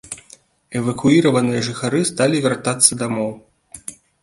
Эвакуіраваныя жыхары сталі вяртацца дамоў.